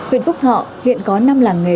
huyện phúc thọ hiện có năm làng nghề